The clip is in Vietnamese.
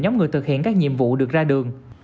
nhóm người thực hiện các nhiệm vụ được ra đường